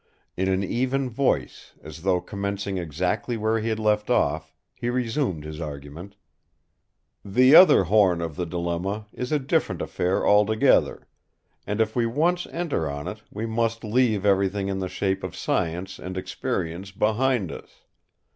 In an even voice, as though commencing exactly where he had left off, he resumed his argument: "The other horn of the dilemma is a different affair altogether; and if we once enter on it we must leave everything in the shape of science and experience behind us.